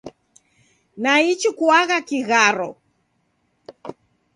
Naichi kuagha kigharo